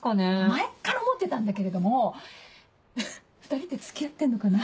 前から思ってたんだけれどもウフっ２人って付き合ってんのかな？